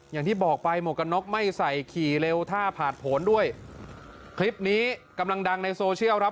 อย่างที่บอกไปหมวกกันน็อกไม่ใส่ขี่เร็วถ้าผ่านผลด้วยคลิปนี้กำลังดังในโซเชียลครับ